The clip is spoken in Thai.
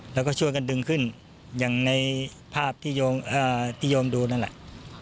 แล้วก็ช่วยกันดึงขึ้นอย่างในภาพที่โยมดูนั่นแหละ